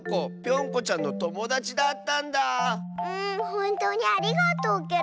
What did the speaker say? ほんとうにありがとうケロ。